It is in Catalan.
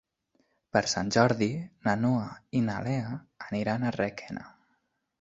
Per Sant Jordi na Noa i na Lea aniran a Requena.